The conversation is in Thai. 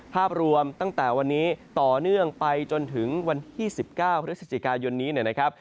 ภาพรวมตั้งแต่วันนี้ต่อเนื่องไปจนถึงวันที่๑๙พฤศจิกายนนี้นะครับ